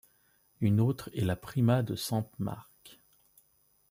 Une autre est la prima de Sant Marc.